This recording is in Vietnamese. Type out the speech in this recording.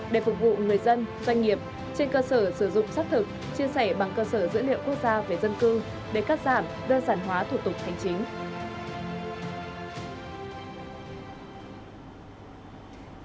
để phục vụ người dân doanh nghiệp trên cơ sở sử dụng xác thực chia sẻ bằng cơ sở dữ liệu quốc gia về dân cư để cắt giảm đơn giản hóa thủ tục hành chính